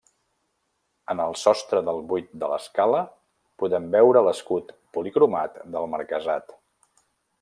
En el sostre del buit de l'escala podem veure l'escut policromat del marquesat.